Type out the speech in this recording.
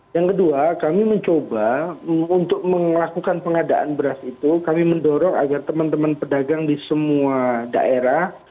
yang kedua kami mencoba untuk melakukan pengadaan beras itu kami mendorong agar teman teman pedagang di semua daerah